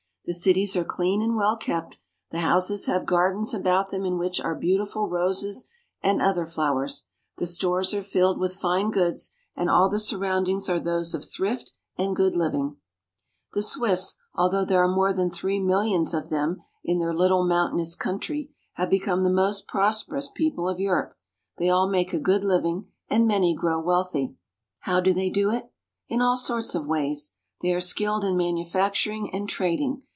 The cities are clean and well kept The houses have gardens about them in which are beautiful roses and other flowers ; the stores are filled with fine goods, and all the surroundings are those of thrift and good living. The THE SWISS PEOPLE. 26l Swiss, although there are more than three millions of them in their little mountainous country, have become the most prosperous people of Europe. They all make a good liv ing, and many grow wealthy. How do they do it? In all sorts of ways. They are skilled in manufacturing and trading.